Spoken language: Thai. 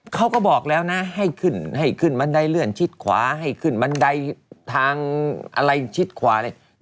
เขาบอกแล้วนะให้ขึ้นให้ขึ้นบันไดเลื่อนชิดขวาให้ขึ้นบันไดทางอะไรชิดขวาอะไร